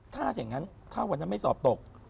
ถ้าอย่างนั้นถ้าวันนั้นไม่สอบตก